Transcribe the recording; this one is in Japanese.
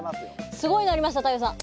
すごいのありました太陽さん。